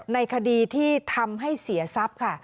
ในคดีที่ทำให้เสียทรัพย์ค่ะ